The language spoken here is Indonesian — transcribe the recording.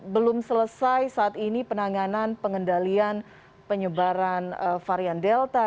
belum selesai saat ini penanganan pengendalian penyebaran varian delta